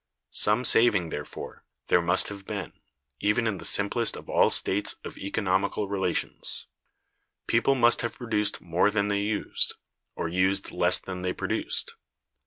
Some saving, therefore, there must have been, even in the simplest of all states of economical relations; people must have produced more than they used, or used less than they produced.